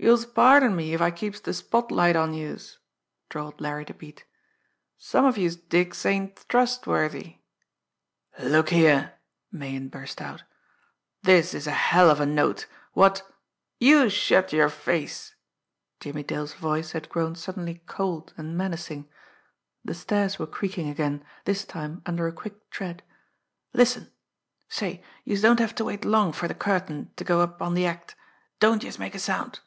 "Youse'll pardon me if I keeps de spot light on youse," drawled Larry the Bat, "Some of youse dicks ain't trustworthy." "Look here!" Meighan burst out. "This is a hell of a note! What " "Youse shut yer face!" Jimmie Dale's voice had grown suddenly cold and menacing the stairs were creaking again, this time under a quick tread. "Listen! Say, youse don't have ter wait long fer de curtain, ter go up on de act. Don't youse make a sound!"